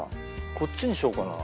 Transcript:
こっちにしようかな。